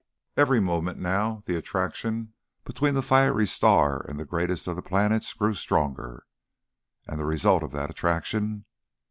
Every moment now the attraction between the fiery star and the greatest of the planets grew stronger. And the result of that attraction?